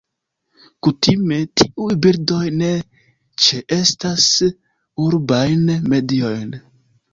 Kutime, tiuj birdoj ne ĉeestas urbajn mediojn.